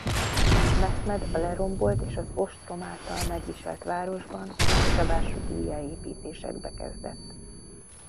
Mehmed a lerombolt és az ostrom által megviselt városban nagyszabású újjáépítésekbe kezdett.